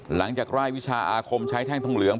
หลังจากร่ายวิชาอาคมใช้แท่งทองเหลือง